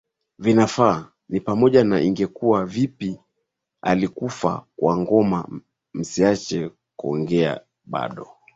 vinafaa ni pamoja na Ingekuwa Vipi Alikufa Kwa Ngoma Msiache Kuongea Bado